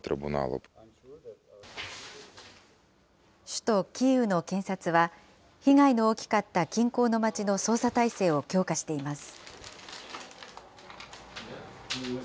首都キーウの検察は、被害の大きかった近郊の町の捜査態勢を強化しています。